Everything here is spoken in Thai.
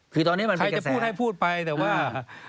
ใครจะพูดให้พูดไปแต่ว่า